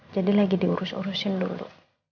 jadi lagi diurus urusin dulu